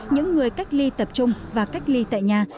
những người cách ly tập trung và cách ly tại nhà